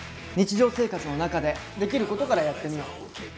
日常生活の中でできることからやってみよう。